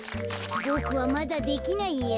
ボクはまだできないや。